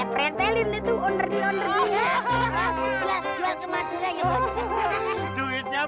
perut lo tuh udah kayak lumbung padi tau gak